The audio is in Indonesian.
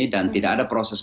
dan tidak ada proses